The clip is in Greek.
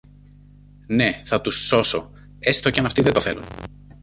Ναι, θα τους σώσω, έστω και αν αυτοί δεν το θέλουν.